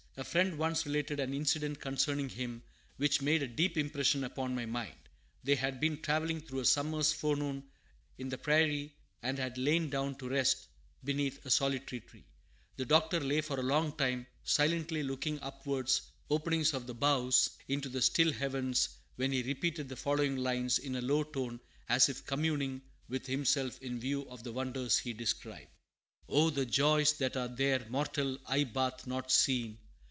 A friend once related an incident concerning him which made a deep impression upon my mind. They had been travelling through a summer's forenoon in the prairie, and had lain down to rest beneath a solitary tree. The Doctor lay for a long time, silently looking upwards through the openings of the boughs into the still heavens, when he repeated the following lines, in a low tone, as if communing with himself in view of the wonders he described: "O the joys that are there mortal eye bath not seen!